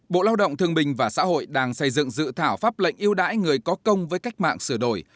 bộ lao động thương bình và xã hội đang xây dựng dự thảo pháp lệnh yêu đái người có công với cách mạng sửa đổi